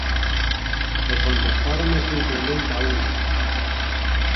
E contestáronme simplemente a unha.